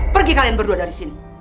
pergi kalian berdua dari sini